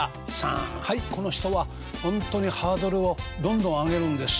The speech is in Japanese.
はいこの人はほんとにハードルをどんどん上げるんです。